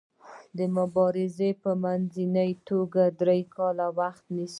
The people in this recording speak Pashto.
دا مبارزې په منځنۍ توګه درې کاله وخت نیسي.